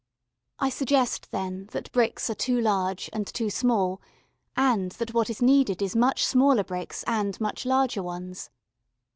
I suggest, then, that bricks are too large, and too small and that what is needed is much smaller bricks, and much larger ones.